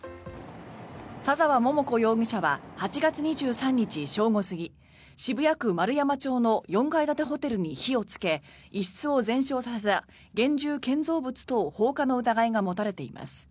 佐澤桃子容疑者は８月２３日正午過ぎ渋谷区円山町の４階建てホテルに火をつけ一室を全焼させた現住建造物等放火の疑いが持たれています。